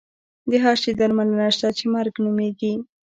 د هر شي درملنه شته چې مرګ نومېږي.